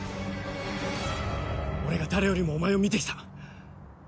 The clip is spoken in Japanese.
俺が誰よりもお前を見て来た。